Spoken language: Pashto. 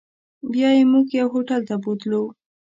بیا یې موږ یو هوټل ته بوتلو.